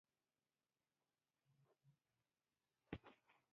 نیاندرتالانو له خپلو معیوبو هډوکو سره د خپلوانو له لوري پاملرنه ترلاسه کړه.